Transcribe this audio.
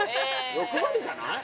欲ばりじゃない？